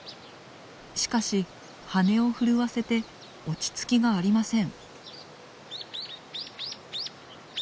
しかし羽を震わせて落ち着きがありません。